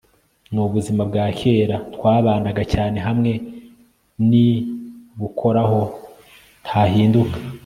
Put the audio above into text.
nubuzima bwa kera twabanaga cyane hamwe ntibukoraho ntahinduka